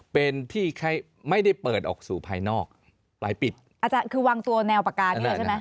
เป็นที่ไม่ได้เปิดออกสู่ภายนอกปลายปิดอาจารย์คือวางตัวแนวปากานี้เลยใช่ไหม